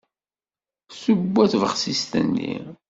Tewwa tbexsist-nni.